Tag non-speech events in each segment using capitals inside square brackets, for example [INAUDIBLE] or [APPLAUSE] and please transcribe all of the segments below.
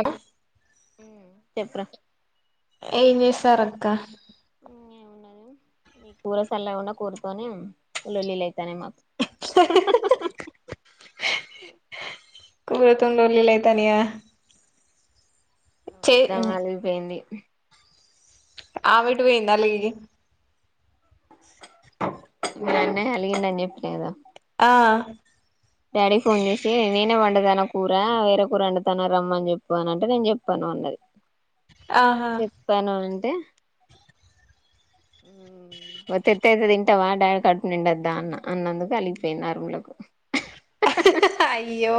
అ హ్మ్ చెప్రా ఏం చేస్తార్ అక్క ఏమున్నది ఈ కూర సల్ల గున్న కూరతోనే లొల్లిలు అయితన్నయ్ మాకు హు హూ కూరతోని లొల్లిలు అయితనాయ ఆ పెద్దమ్మ ఆలిగిపోయింది ఆ మేటు పోయింది అలిగి మీ అన్నయ్ అలిగింది అని చెప్పిన కదా ఆ డాడీకి ఫోన్ చేసి నేనే వండుతన్న కూర వేరే కూర వండుతాన్న రమ్మని చెప్పు అని అంటే నేను చెప్పాను అన్నది ఆహా చెప్పాను అంటే [UNINTELLIGIBLE] అయితే తింటవా డాడి కడుపు నిండద్ద అన్న అన్నందుకు అలిగిపోయింది అరుములోకు అయ్యో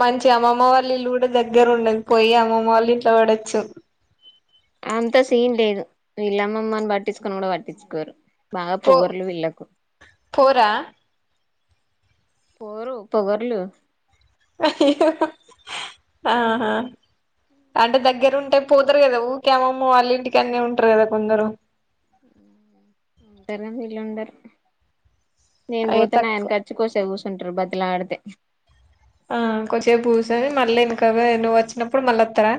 మంచి అమ్మమ్మ వాళ్ళ ఇల్లు కూడా దగ్గర ఉండ పోయి అమ్మమ్మ వాళ్ళు ఇంట్లో పడచ్చు అంత సీన్ లేదు వీళ్ళ అమ్మమ్మ అని పట్టించుకొని కూడా పట్టించుకోరు బాగా పో పోగర్లు విళ్ళకు పోరా పోరు పొగర్లు ఆహా అంటే దగ్గర ఉంటే పోతారు కదా ఊకే అమ్మమ్మ వాళ్ళ ఇంటిక కానే ఉంటారు కదా కొందరు ఉ టేరందిలు ఉండరు నేను అయ్యో పోతే నా తక్కువ ఎనక [UNINTELLIGIBLE] కోసే కూస్ తింట్రు బతిమి లాడుతే ఆ కొంచేపు పూసోని మళ్ళీ ఇంక నువ్వు వచ్చినప్పుడు మళ్ళ వతారా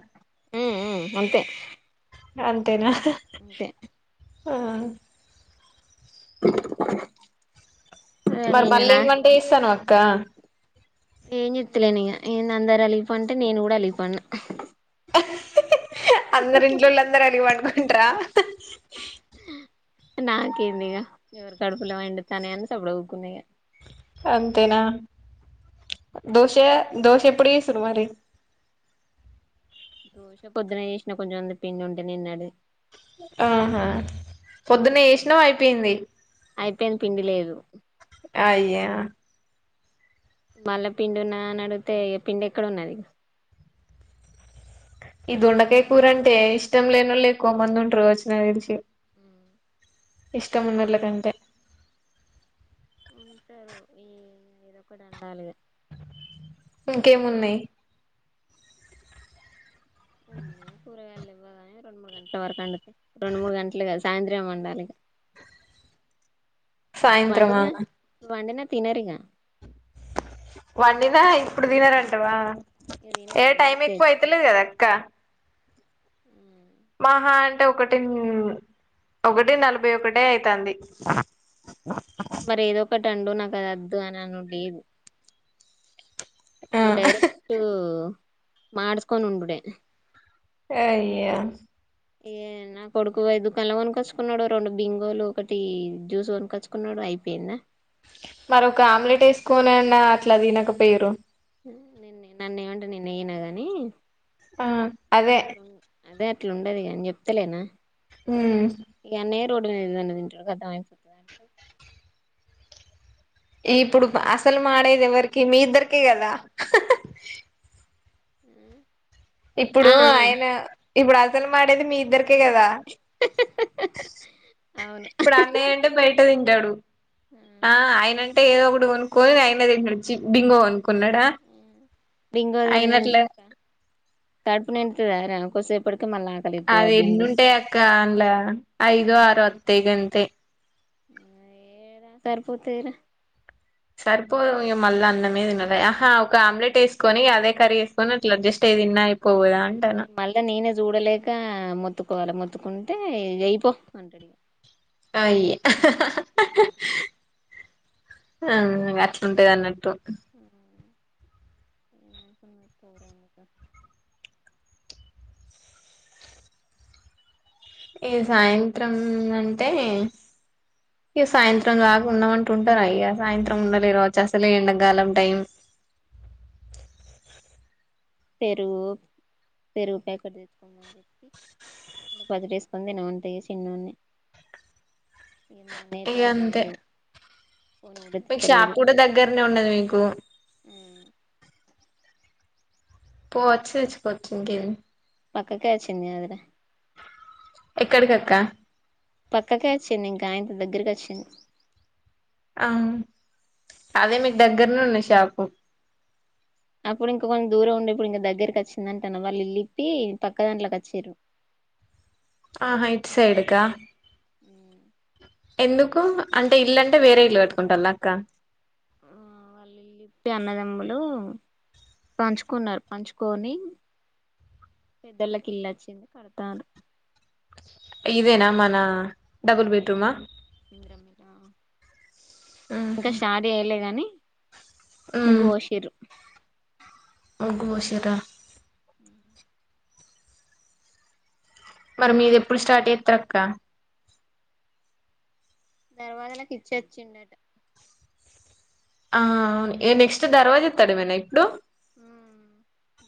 అంతే అంతేనా అంతే ఆ ఇక మరి మళ్ళీ ఏం వంట చేస్తన్నావ్ అక్క ఏం చేతలేను ఇగ ఏ అందరు అలిగిపోంటే నేను కూడా అలిగిపో అన్న అందరు ఇండ్లలో అందరు అలిగి పడుకొంటారా నాకేందిఇగ ఎవరి కడుపులో ఎండుతన్నాయ్ అని సప్పుడు కుకున్నా ఇగ అంతేనా దోశ దోశ ఎప్పుడు చేస్తున్నావ్ మరి దోశ పొద్దున ఏసినా కొంచెం ఉంది పిండి ఉంటే నిన్నడిది ఆహా పొద్దున్నే ఏసినావ్ అయిపేంది అయిపేంది పిండి లేదు అయ్యా మల్లా పిండి ఉన్నదా అని అడిగితే ఇగ పిండి ఎక్కడ ఉన్నది ఈ దొండకాయ కూరంటే ఇష్టం లేనోళ్లు ఎక్కువ మంది ఉంటారు గావొచ్చు నాకి దెలిసి ఇష్టం ఉన్నోళ్లకంటే [INAUDIBLE] ఇంకేమున్నాయ్ ఇంగేం కూరగాయల్లేవ్ రోజు రెండు మూడు గంటల వరకు వుండు రెండు మూడు గంటలే కాద సాయంత్రం మే వండాలి ఇగా [INAUDIBLE] సాయంత్రమా వండినా వండినా తినరింగ వండినా ఇప్పుడు తినరంటవా ఇగ ఏ తినరు టైమ్ వేస్టేజ్ ఎక్కువ అయితలేదు గదా అక్క మ్ మాహా అంటే ఒక టెన్ ఒకటి నలభై ఒకటే అయితాంది మరి ఏదో ఒకటి అండు నాకు అది వద్దు అని అన్ లేదు ఆ ఇక డైరెక్టూ మాడ్సుకొని ఉండుడే అయ్యా ఇగ నా కొడుకు పోయి దుకాణంలో కొనకొచ్చుకున్నాడు రెండు బింగోలు ఒకటి జ్యూస్ కొనుకొచ్చుకున్నాడు అయిపేన్న మరొక ఆమ్లెట్ ఏసుకోనైన అట్లా తినక పైరు నిన్ని నన్నే ఏయమంటే నేను ఎయ్యనా గాని ఆ అదే ఇట్లా ఉండదు ఇగ నేన్ జెప్తలేనా మ్ [UNINTELLIGIBLE] ఇప్పుడు అసలు మాడేది ఎవరికి మీ ఇద్దరికే కదా ఊమ్ ఇప్పుడు అయిన ఇప్పుడు అసలు మాడేది మీ ఇద్దర్ కే గదా ఆ అవును ఇప్పుడు అన్నయ్య అంటే బయట దింటాడు ఆ ఆయనంటే ఏదో ఒకటి కొనుక్కొని ఆయనే దింటడు చి బింగో కొనుక్కున్నాడ బింగో అయినట్లే తిన్నంత కడుపు నిండుతాదా రా కోసేపటికి అవి ఎన్నుంటాయి అక్క అండ్లౌ ఐదో ఆరో వత్తాయి గంతే ఏడా సరిపోతాయ్ రా సరిపోదు మళ్ల అన్నమే దినాలె ఆహా ఒక ఆమ్లెట్ వేసుకొని అదే కర్రి ఏసుకొని అట్లా అడ్జస్ట్ అయ్ నే దిన్నా ఇప్ ఇంగ మళ్ళా నేనే జూడలేక మొతు కోల్ల మొత్తుకుంటే ఎయ్ పో అంటాడిగ అయ్యా ఆ ఇంగ అట్లుంటది అన్నట్టు [INAUDIBLE] ఇగ సాయంత్రం అంటే ఇగ సాయంత్రం దాకా ఉన్నమంటే ఉంటారా ఇగ సాయంత్రం ఉండాలేరు వచ్చేస్తా లే ఎండాకాలం టైం పెరుగు పెరుగు ప్యాకెట్ దెచ్చుకోమని జెప్పి ఇంగ బదిరేసుకొని తినమంట ఇగ చిన్నోన్ని [INAUDIBLE] ఇగ మీ అన్నయ్య ఇగ ఎట్లాగు అంతే రాడు ఫోన్ కూడా మీకు షాప్ తిత్తలేడు కూడా దగ్గరనే ఉన్నది మీకు పోవచ్చు ఇచ్చుకోవచ్చు ఇంకేంది పక్కకే వచ్చింది కదరా ఎక్కడికక్క పక్కకే వచ్చింది ఇంకాయింత దగ్గరకి వచ్చింది ఆ అదే మీకు దగ్గరనే ఉన్నాయ్ షాపు అప్పుడు ఇంకా కొంచం దూరం ఉండే ఇప్పుడు ఇంకా దగ్గరకి వచ్చిందంటను వాళ్ళు ఇల్లులిప్పి పక్క దాంట్లోకి వచ్చిరు ఆహా ఇటు సైడ్కా ఉ [INAUDIBLE] ఎందుకు అంటే ఇల్లు అంటే వేరే ఇల్లు కట్టుకుంటాలా అక్క లేపి అన్నదమ్ములు పంచుకున్నారు పంచుకొని పెద్దోళ్ళకి ఇల్లు వచ్చింది కడతార్రు ఇదేనా మనా ంద [UNINTELLIGIBLE] ఇందిరమ్మ ఇళ్లా ఇంకా ఉహు షార్ట్ చెయ్యలేగాని ముగ్గు ఉమ్ బోషిరు ముగ్గు బోషిరా ఉ [INAUDIBLE] మరి మీది ఎప్పుడు స్టార్ట్ జేస్తారక్క దర్వాజలకి ఇచ్చి వచ్చిండట ఆ నెక్స్ట్ దర్వాజా ఎత్తడమేనా ఇప్పుడు ఉమ్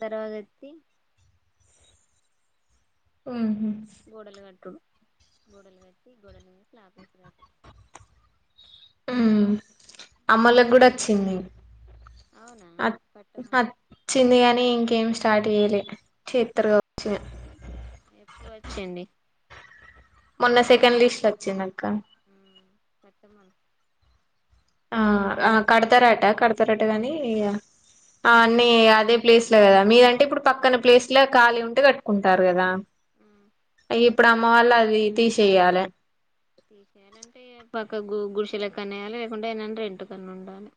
దర్వాజ ఎత్తి ఉమ్ హూ గోడలు గట్టుడు గోడలు గట్టి గోడల మీద స్లాప్ యెస్తరు ఉమ్ అమ్మోలకి గూడా వచ్చింది అవునా కట్టమను అచ్చింది గానీ ఏమ్ స్టార్ట్ చేయలే చేత్తర్ గావచ్చు ఇగ ఎప్పుడు వచ్చింది మొన్న సెకండ్ లిస్టులో అక్కా ఆ కట్టమను ఆ ఆ కడతరట కడతరట గాని ఆ అన్నీ అదే ప్లేస్ ల గదా మీరంటే ఇప్పుడు పక్కన ప్లేస్ లో ఖాళీ ఉంటే గట్టుకుంటారు గదా ఇప్పుడు అమ్మ వాళ్ళు అది తీసేయాలి తీసేయాలంటే పక్క గుడిసెలేకన్నా యెయాలి లేకుంటే రెంట్ కన్న ఉండాలే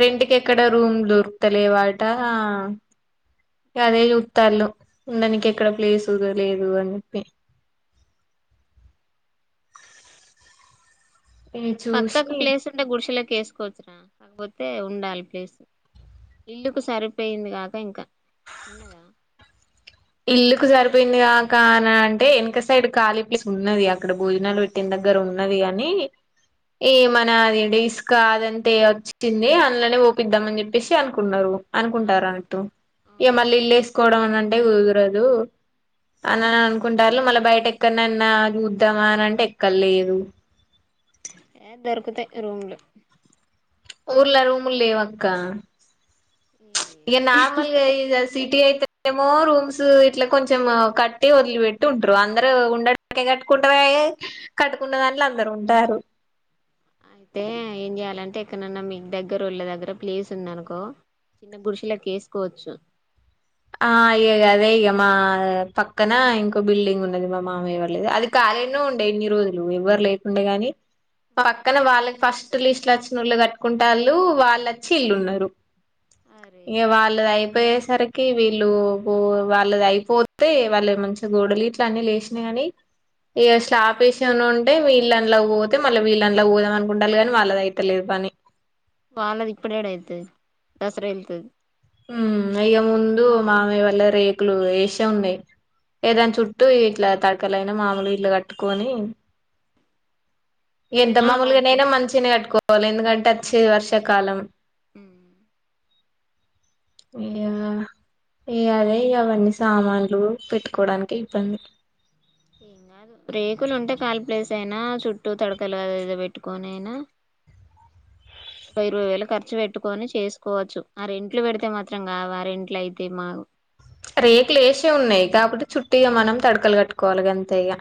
రెస్ట్ కి ఎక్కడ రూమ్ దొరుకుత లేవట అదే చూత్తాళ్ళు ఉండనీకి ఎక్కడ ప్లేసు లేదు అని చెప్పి [INAUDIBLE] ఇగ పక్కకు చూసి ప్లేస్ ఉంటే గుడిసెలెక్క యేసుకోవచ్చురా కాకపోతే ఉండాలి ప్లేస్ ఇల్లుకు సరిపోయింది గాక ఇంకా ఉన్నదా ఇల్లుకు సరిపోయింది గాక అంటే యెనక సైడ్ ఖాళీ ప్లేస్ ఉన్నది అక్కడ భోజనాలు పెట్టిన దగ్గర ఉ ఉన్నది గానీ ఏ మనా అది డిసుకా అదంతే వచ్చింది అందులోనే వోపిద్దాం అని జెప్పేసి అనుకున్నారు అనుకుంటార అవునవును అన్నటూ ఇగ మళ్ళీ అవునవును ఇల్లు యేసుకోవడం అనంటే కుదరదు అనన అనుకుంటారు మళ్ళీ బయట ఎక్కడనన్నా జూద్దామా అని అంటే ఎక్కడ లేదు ఏ దొరుకుతాయి రూమ్లు ఊర్ల రూముల్ లేవాక్క ఏంది ఇగ నార్మల్గా జ సిటీ అయితేమో రూమ్స్ ఇట్లా కొంచెం కట్టి వదిలిపెట్టి ఉంటారు అందరుూ ఉండడానికి కట్టుకుంటార కట్టుకున్న దానిట్లో అందరు ఉంటారు అయితే ఏం చెయాలంటే ఎక్కడన్నా మీ దగ్గర వొళ్ల దగ్గర ప్లేస్ ఉంది అనుకో చిన్న బురుషుల వేసుకోవచ్చు ఆ ఇ అదే ఇక మా పక్కన ఇంకో బిల్డింగ్ ఉన్నది మా మామయ్య వార్లేది అది కా అ ఎన్నో ఉండే ఎన్ని రోజులు ఎవ్వరు లేకుండే గాని పక్కన వాళ్ళకి ఫస్ట్ లిస్ట్ వచ్చినళ్ళు కట్టుకుంటే వాళ్ళు వాళ్ళుచ్చి ఇల్లుు ఉన్నారు అరే ఇంక వాళ్ళది అయిపోయే సరికి క వీళ్ళు వాళ్ళ అయిపోతే వాళ్ళు మంచి గోడలు ఇట్ల అన్ని లేసినయి గాని ఈ స్లాపేసిమ ఉంటే వీళ్ళ అలా పోతే మళ్ళీ వీళ్ళ అలా పోదాం అనుకుంటారుి కాగానీ వాళ్ళద అయితేలేదు పని వాళ్ళది ఇప్పుడేడ అయితే దసరా వెళ్లేది ఉ ఇక ముందు మామయ్య వల్ల రేకులు వేసే ఉన్నాయి ఏదానా చుట్టూ ఇట్లా తడకలయినా మామూలు ఇట్లు కట్టుకొని ఎంత ఆ మాముూలుగా అట్లే నైనే మంచిని కట్టుకోవాలి ఎందుకంటే వచ్చే వర్షాకాలం ఉమ్. ఇకా ఏ అదే అవన్నీ సామాన్లు పెట్టుకోడానికి ఇబ్బంది ఏం కాదు రేకులు ఉంటే కాలి ప్లేస్ అయినా చుట్టూ తడకలు అ ఏదో పెట్టుకొని అయినా ఇరవై వేలు ఖర్చు పెట్టుకొని చేసుకోవచ్చు ఆ రెంట్లు పెడితే మాత్రం కావ ఆ రెంట్లు అయితే మాకు రేకులు వసే ఉన్నాయి కాబట్టి చుట్టిగా మనం తడకలు కట్టుకోవాలి ఎంత ఇగా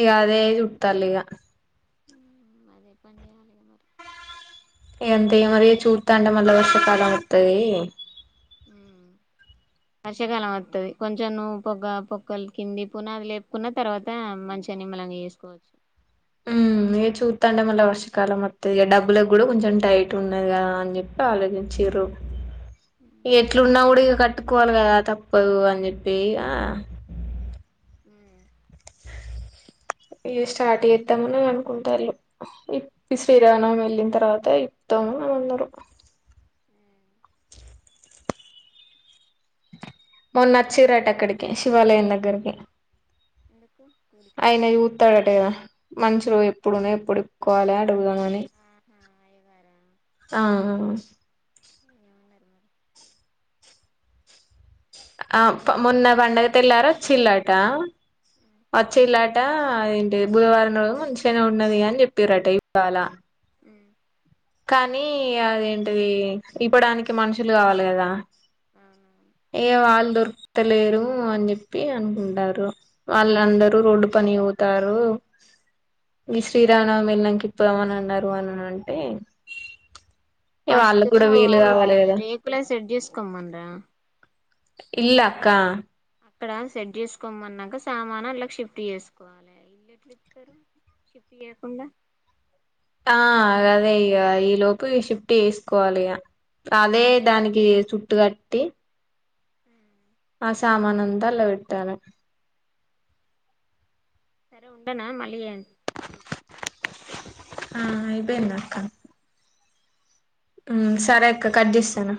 ఇక అదే చుట్టాలు ఇక [UNINTELLIGIBLE] అంత మరి చూతాంట మళ్ళా వర్షాకాలం అతుది వర్షాకాలం వస్తుంది కొంచెం నువ్వు పొగ పొక్కగల కింది పూనా అది లేపుకున్న తర్వాత మంచిగాని మిమ్మల్ చేసుకోవచ్చు ఆ ఇ చూస్తా అంటే మళ్ళీ వర్షకాలం మది డబ్బులలకు కూడా కొంచెం టైట్ ఉన్నదిదా అని చెప్పి ఆలోచించి ఎట్లున్నాకూడా ఈగ కట్టుకోవాలి కదా తప్పదు అని చెప్పి ఆ ఉ ఇ స్టార్ట్ చేద్దామని అనుకుంటారు ఇప్పు శ్రీరామ వెళ్ళిన తర్వాత ఇప్పు అ అనరు మొన్న ఆచిరు ఆట అక్కడికి శివాలయం దగ్గరికి ఎందుకు కూడికా అయినయి ఊతాడటేదా మనుషులో ప్పుడుణ పడుకోవాల ఆహా అయ్యగారా అ ఆ ఏమన్నారు మరి ఆ మొన్న పండగ తెళ్లారా వచిల్లాట వచ్చే ఇలాట ఏంటి బుధవారం రోజు ముంచిగానే ఉన్నది అని చెప్పారట ఇవాళ కానీ అదేంటిది ఇవ్వడానికి మనుషులు కావాలి కదా ఏ వాళ్ళు దొరుకతలేరు అని చెప్పి అనుకుంటారు వాళ్ళ అందరూ రోడ్డు పని పోతారు ఈ శ్రీరామనవామి వెళ్ళాకి ఇప్పు ఏమని అన్నారు అని అంటే ఫస్ట్ వాళ్ళకి కూడా వీలు కావాలి కదా రేకుల సెట్ చేసుకోమనరా ఇల్లా అక్క అక్కడ సెట్ చేసుకోమన్నాక సామాను అలా షిఫ్ట్ చేసుకోవాలి ఇల్లెట్లు ఇప్తారు షిప్ చేయకుండా ఆ అదే ఇక ఈ లోపు షిఫ్ట్ చేసుకోవాలి ఈగ అదే దానికి చుట్టు కట్టి ఆ సామానంత లో పెట్టాల సరే ఉండనా మల్లి చేస్తా ఆ అయిపోయిందక్క సరే అక్క కట్ చేస్తాను